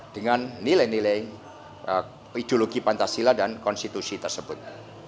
dengan nilai nilai ideologi pancasila dan konstitusi tersebut